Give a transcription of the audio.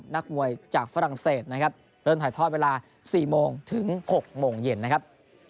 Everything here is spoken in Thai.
นักมวยจากฝรั่งเศสนะครับเริ่มถ่ายทอดเวลา๔โมงถึง๖โมงเย็นนะครับ